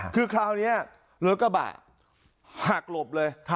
คือคราวนี้รถกระบะหักหลบเลย